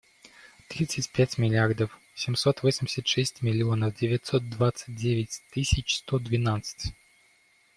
Тридцать пять миллиардов семьсот восемьдесят шесть миллионов девятьсот двадцать девять тысяч сто двенадцать.